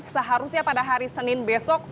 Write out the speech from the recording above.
seharusnya pada hari senin besok